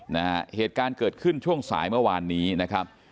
นะฮะเหตุการณ์เกิดขึ้นช่วงสายเมื่อวานนี้นะครับ